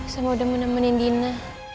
semua udah menemenin dina